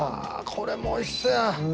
これもおいしそうや。